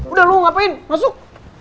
udah lu ngapain masuk